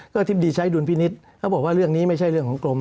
ก็อธิบดีใช้ดุลพินิษฐ์เขาบอกว่าเรื่องนี้ไม่ใช่เรื่องของกรม